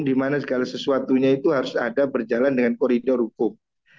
di mana segala sesuatunya itu harus ada berjalan dengan koridor hukum